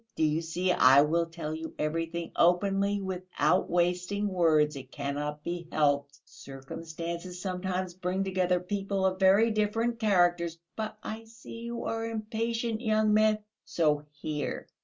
Do you see, I will tell you everything openly, without wasting words. It cannot be helped. Circumstances sometimes bring together people of very different characters.... But I see you are impatient, young man.... So here